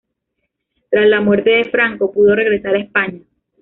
Tras la muerte de Franco, pudo regresar a España.